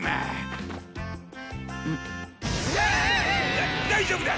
だ大丈夫だ！